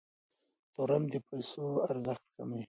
تورم د پیسو ارزښت کموي.